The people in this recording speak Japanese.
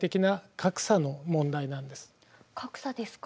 格差ですか。